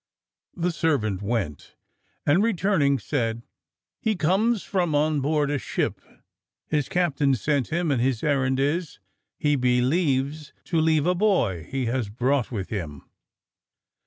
The servant went; and returning said, "He comes from on board a ship; his captain sent him, and his errand is, he believes, to leave a boy he has brought with him."